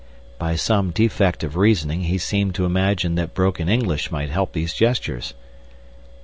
By some defect of reasoning he seemed to imagine that broken English might help these gestures.